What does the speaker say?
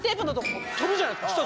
じゃないですか。